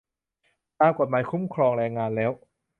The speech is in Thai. ตามกฎหมายคุ้มครองแรงงานแล้ว